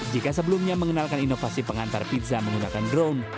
jika sebelumnya mengenalkan inovasi pengantar pizza menggunakan drone